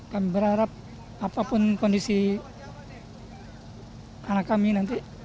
kami berharap apapun kondisi anak kami nanti